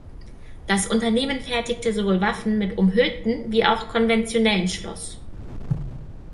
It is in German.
Das Unternehmen fertigte sowohl Waffen mit umhüllten wie auch konventionellen Schloss.